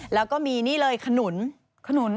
แล้วมีนี่เลยขนุน